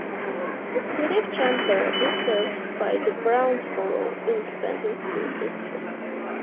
The City of Chandler is served by the Brownsboro Independent School District.